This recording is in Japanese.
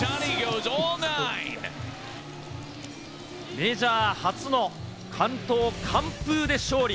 メジャー初の完投・完封で勝利。